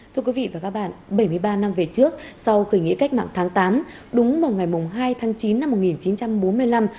thưa quý vị và các bạn bảy mươi ba năm về trước sau khởi nghĩa cách mạng tháng tám đúng vào ngày hai tháng chín năm một nghìn chín trăm bốn mươi năm